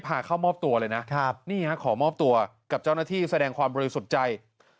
เข้ามอบตัวเลยนะนี่ฮะขอมอบตัวกับเจ้าหน้าที่แสดงความบริสุทธิ์ใจ